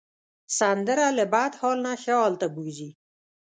سندره له بد حال نه ښه حال ته بوځي